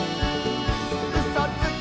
「うそつき！」